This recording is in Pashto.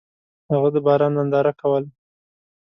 هغه د باران ننداره کوله.